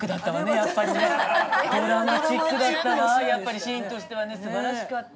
いやあれはシーンとしてはすばらしかった。